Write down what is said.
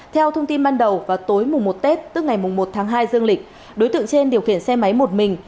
theo thông tin ban đầu vào tối mùng một tết tức ngày một tháng hai dương lịch đối tượng trên điều khiển xe máy một mình